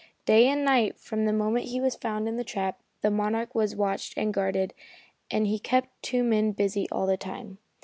Day and night from the moment he was found in the trap, the Monarch was watched and guarded, and he kept two men busy all the time.